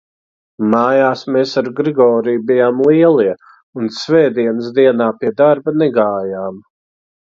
Mājās mēs ar Grigoriju bijām lielie un svētdienas dienā pie darba negājām.